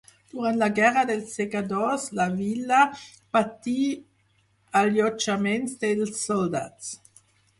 Durant la Guerra dels Segadors la vila patí allotjaments dels soldats.